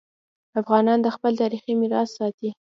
افغانان خپل تاریخي میراث ساتي.